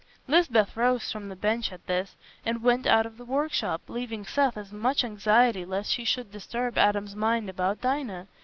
Lisbeth rose from the bench at this, and went out of the workshop, leaving Seth in much anxiety lest she should disturb Adam's mind about Dinah.